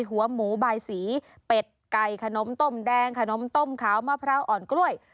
หัวหมูบายสีเป็ดไก่ขนมต้มแดงขนมต้มขาวมะพร้าวอ่อนกล้วย